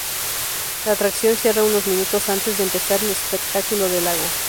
La atracción cierra unos minutos antes de empezar el espectáculo del lago.